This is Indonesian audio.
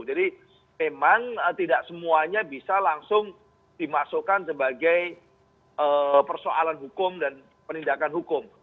jadi memang tidak semuanya bisa langsung dimasukkan sebagai persoalan hukum dan penindakan hukum